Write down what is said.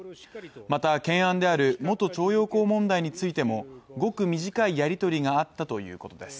また懸案である元徴用工問題についてもごく短いやり取りがあったということです